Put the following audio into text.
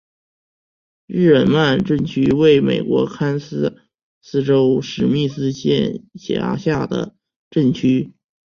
日耳曼镇区为美国堪萨斯州史密斯县辖下的镇区。